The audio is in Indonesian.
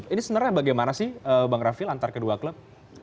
ini sebenarnya bagaimana sih bang rafil antar kedua klub